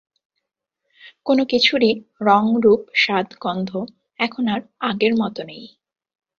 কোন কিছুরই রং-রূপ-স্বাদ-গন্ধ এখন আর আগের মত নেই।